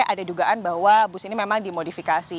ada dugaan bahwa bus ini memang dimodifikasi